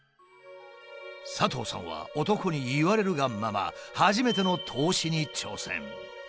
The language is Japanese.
佐藤さんは男に言われるがまま初めての投資に挑戦。